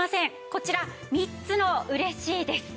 こちら３つの「うれしい」です。